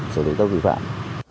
xử lý tốc vị vạn